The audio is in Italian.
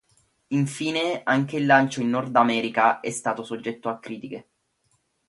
Infine anche il lancio in Nord America è stato soggetto a critiche.